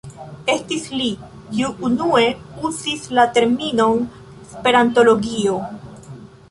Estis li, kiu unue uzis la terminon "esperantologio".